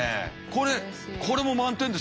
これこれも満点ですね先生。